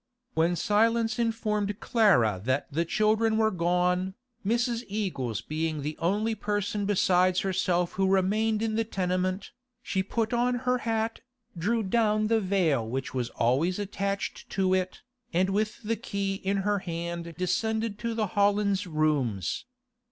When silence informed Clara that the children were gone, Mrs. Eagles being the only person besides herself who remained in the tenement, she put on her hat, drew down the veil which was always attached to it, and with the key in her hand descended to the Hollands' rooms.